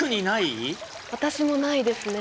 私もないですね。